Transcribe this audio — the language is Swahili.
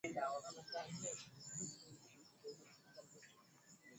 na tano hadi mwaka elfu moja mia tisa sabini na mojaNa baada ya